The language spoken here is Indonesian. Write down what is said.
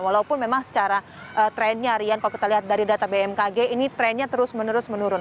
walaupun memang secara trendnya rian kalau kita lihat dari data bmkg ini trennya terus menerus menurun